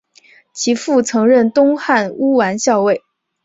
其父曾任东汉乌丸校尉。